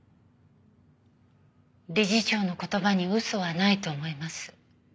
理事長の言葉に嘘はないと思います。